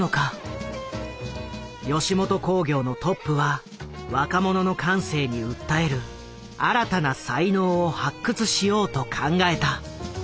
吉本興業のトップは若者の感性に訴える新たな才能を発掘しようと考えた。